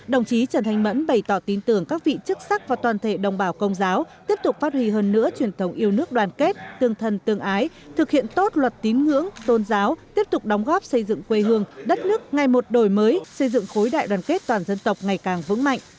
đồng chí trần thanh mẫn bày tỏ tin tưởng các vị chức sắc và toàn thể đồng bào công giáo tiếp tục phát huy hơn nữa truyền thống yêu nước đoàn kết tương thân tương ái thực hiện tốt luật tín ngưỡng tôn giáo tiếp tục đóng góp xây dựng quê hương đất nước ngày một đổi mới xây dựng khối đại đoàn kết toàn dân tộc ngày càng vững mạnh